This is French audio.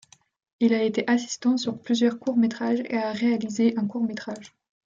Il a été assistant sur plusieurs courts métrages et a réalisé un court métrage.